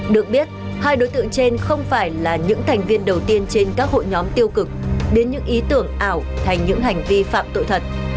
được biết hai đối tượng trên không phải là những thành viên đầu tiên trên các hội nhóm tiêu cực đến những ý tưởng ảo thành những hành vi phạm tội thật